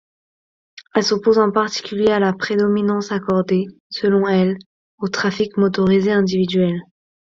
Elle s'oppose en particulier à la prédominance accordée, selon elle, au trafic motorisé individuel.